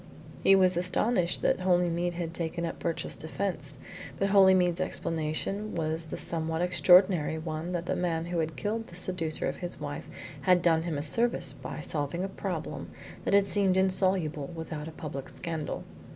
He was astonished that Holymead had taken up Birchill's defence, but Holymead's explanation was the somewhat extraordinary one that the man who had killed the seducer of his wife had done him a service by solving a problem that had seemed insoluble without a public scandal.